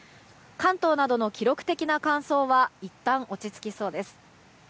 関東などの記録的な乾燥はいったん落ち着きそうです。